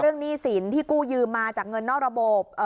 หนี้สินที่กู้ยืมมาจากเงินนอกระบบ